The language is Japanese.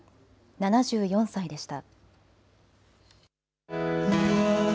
７４歳でした。